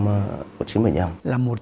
là một trong những bản hùng ca vĩ đại nhất